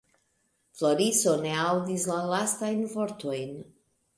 Floriso ne aŭdis la lastajn vortojn.